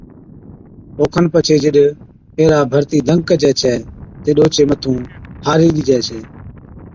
او کن پڇي جِڏ ايهرا ڀرتِي دنگ ڪجَي ڇَي تِڏ اوڇي مٿُون هارِي ڏِجَي ڇَي